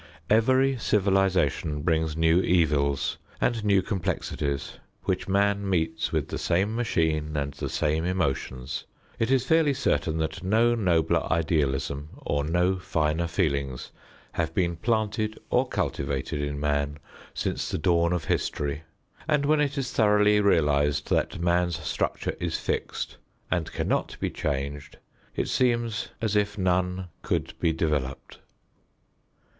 Every civilization brings new evils and new complexities which man meets with the same machine and the same emotions. It is fairly certain that no nobler idealism or no finer feelings have been planted or cultivated in man since the dawn of history, and when it is thoroughly realized that man's structure is fixed and cannot be changed it seems as if none could be developed.